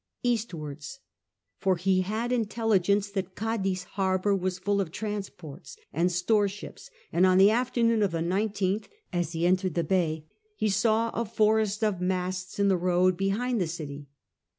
Eastwards — for he had intelligence that Cadiz harbour was full of transports and store ships, and on the after noon of the 19th as he entered the bay he saw a forest of masts in the road behind the city.